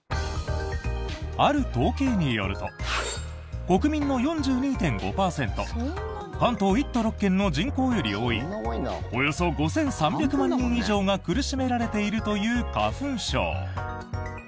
ある統計によると国民の４２．５％関東１都６県の人口より多いおよそ５３００万人以上が苦しめられているという花粉症。